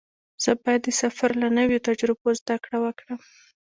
زه باید د سفر له نویو تجربو زده کړه وکړم.